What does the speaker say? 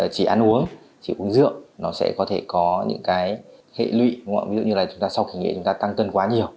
chỉ ăn uống chỉ uống rượu nó sẽ có thể có những hệ lụy ví dụ như là chúng ta sau kỳ nghỉ chúng ta tăng cân quá nhiều